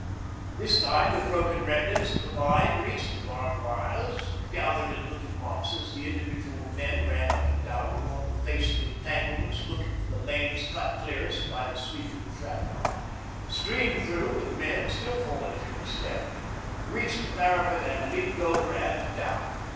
This time the broken remnants of the line reached the barbed wires, gathered in little knots as the individual men ran up and down along the face of the entanglements looking for the lanes cut clearest by the sweeping shrapnel, streamed through with men still falling at every step, reached the parapet and leaped over and down.